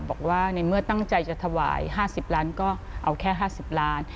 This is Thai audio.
บอกว่าในเมื่อตั้งใจจะถวาย๕๐ล้านก็เอาแค่๕๐ล้าน